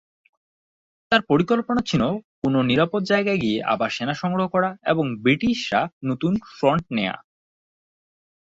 তাঁর পরিকল্পনা ছিল কোনও নিরাপদ জায়গায় গিয়ে আবার সেনা সংগ্রহ করা এবং ব্রিটিশরা নতুন ফ্রন্ট নেয়।